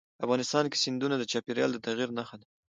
افغانستان کې سیندونه د چاپېریال د تغیر نښه ده.